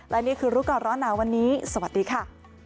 และนี่คือรู้ก่อนร้อนหนาวันนี้สวัสดีค่ะ